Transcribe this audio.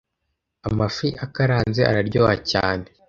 amafi akaranze araryoha cyane